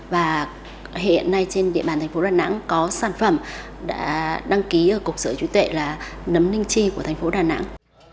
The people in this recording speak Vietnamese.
và hiện nay trên địa bàn thành phố đà nẵng có sản phẩm đã đăng ký ở cục sở chú tệ là nấm ninh chi của thành phố đà nẵng